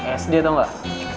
kayak anak sd tau enggak